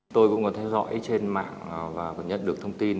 tôi cũng có theo dõi trên mạng và nhận được thông tin